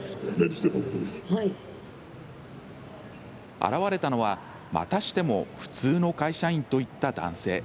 現れたのは、またしても普通の会社員といった男性。